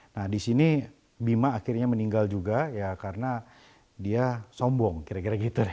nah disini bima akhirnya meninggal juga ya karena dia sombong kira kira gitu deh